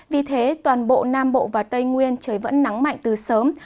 vì thế toàn bộ nam bộ và tây nguyên trời vẫn nắng mạnh từ sớm